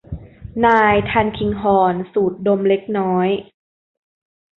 นายทัลคิงฮอร์นสูดดมเล็กน้อย